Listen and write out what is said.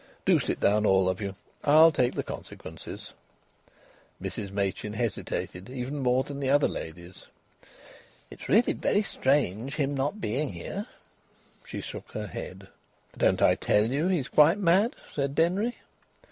Do sit down, all of you. I'll take the consequences." Mrs Machin hesitated even more than the other ladies. "It's really very strange, him not being here." She shook her head. "Don't I tell you he's quite mad," said Denry.